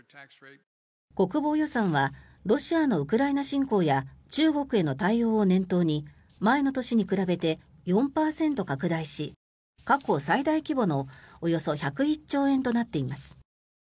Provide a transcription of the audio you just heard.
国防予算はロシアのウクライナ侵攻や中国への対応を念頭に前の年に比べて４％拡大し過去最大規模のおよそ１０１兆円となっています。